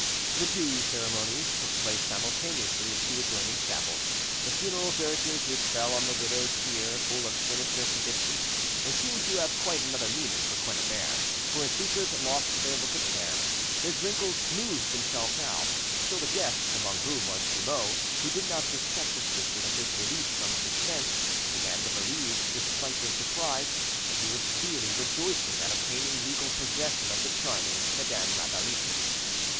The two ceremonies took place simultaneously in two adjoining chapels; the funeral dirges which fell on the widow's ear full of sinister prediction seemed to have quite another meaning for Quennebert, for his features lost their look of care, his wrinkles smoothed themselves out, till the guests, among whom was Trumeau, who did not suspect the secret of his relief from suspense, began to believe, despite their surprise, that he was really rejoiced at obtaining legal possession of the charming Madame Rapally.